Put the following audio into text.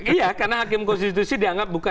iya karena hakim konstitusi dianggap bukan